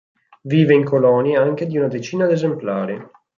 Vive in colonie anche di una decina d'esemplari.